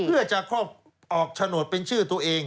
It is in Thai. เพื่อจะครอบออกโฉนดเป็นชื่อตัวเอง